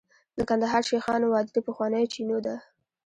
د کندهار شیخانو وادي د پخوانیو چینو ده